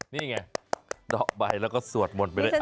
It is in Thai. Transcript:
นี่ไงดอกใบแล้วก็สวดหมดไปเลย